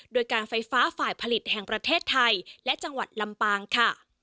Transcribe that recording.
โดยการไฟฟ้าฝ่ายผลิตแห่งประเทศไทยและจังหวัดลำปางค่ะ